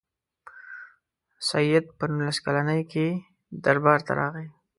سید په نولس کلني کې دربار ته راغی.